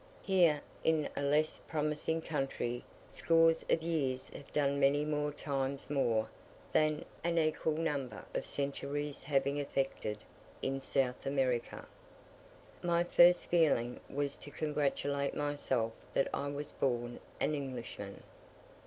Here, in a less promising country, scores of years have done many more times more than an equal number of centuries have effected in South America. My first feeling was to congratulate myself that I was born an Englishman.